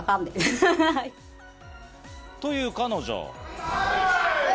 という彼女。